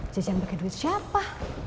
jajan pake duit siapa